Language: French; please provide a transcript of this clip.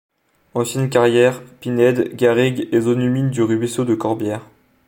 Anciennes carières, pinèdes, garrigues et zone humide du ruiseau de Corbière.